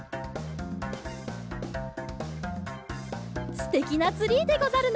すてきなツリーでござるな！